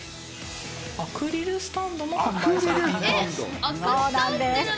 アクリルスタンドも販売されそうなんです。